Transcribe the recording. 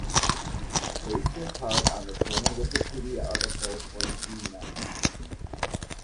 "Based in part on the German Wikipedia article for Z-Netz"